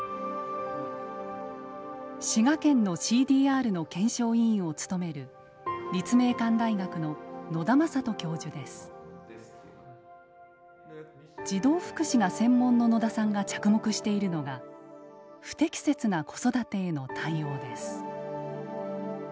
滋賀県のＣＤＲの検証委員を務める児童福祉が専門の野田さんが着目しているのが「不適切な子育て」への対応です。